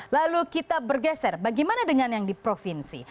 lalu kita bergeser bagaimana dengan yang di provinsi